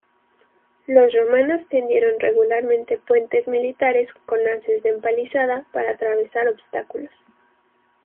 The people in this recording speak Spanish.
Los romanos tendieron regularmente puentes militares con haces de empalizada para atravesar obstáculos.